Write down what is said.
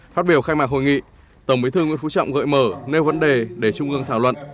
phát biểu khai mạc hội nghị tổng bí thư nguyễn phú trọng gợi mở nêu vấn đề để trung ương thảo luận